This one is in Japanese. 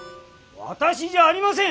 私じゃありません！